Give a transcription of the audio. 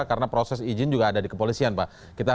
karena proses izin juga ada di kepolisian pak